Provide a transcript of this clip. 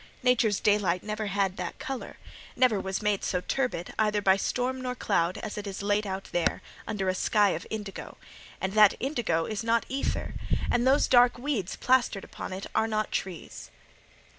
Nature's daylight never had that colour: never was made so turbid, either by storm or cloud, as it is laid out there, under a sky of indigo: and that indigo is not ether; and those dark weeds plastered upon it are not trees."